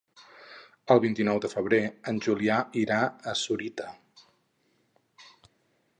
El vint-i-nou de febrer en Julià irà a Sorita.